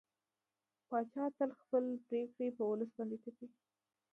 پاچا تل خپلې پرېکړې په ولس باندې تپي.